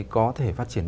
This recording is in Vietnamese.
có thể phát triển ra